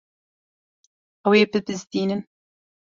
Ew ê bibizdînin.